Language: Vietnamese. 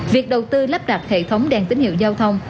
việc đầu tư lắp đặt hệ thống đèn tín hiệu giao thông